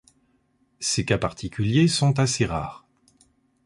Ces cas particuliers sont assez rares.